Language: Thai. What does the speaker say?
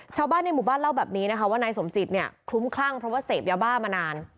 ชาวบ้านในหมู่บ้านเล่าแบบนี้นะคะว่านายสมจิตเนี่ยคลุ้มคลั่งเพราะว่าเสพยาบ้ามานาน